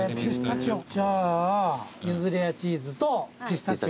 じゃあ柚子レアチーズとピスタチオ。